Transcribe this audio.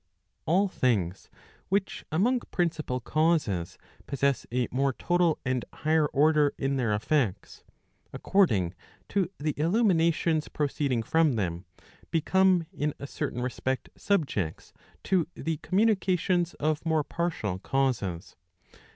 All things which among principal causes possess a more total and higher order in their effects, according to the illuminations proceeding from them, become in a certain respect subjects to the communications of more partial causes.